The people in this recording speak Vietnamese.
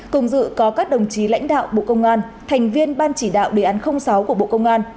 cùng dự có các đồng chí lãnh đạo bộ công an thành viên ban chỉ đạo đề án sáu của bộ công an